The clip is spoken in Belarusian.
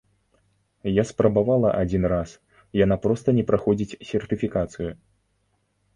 Я спрабавала адзін раз, яна проста не праходзіць сертыфікацыю.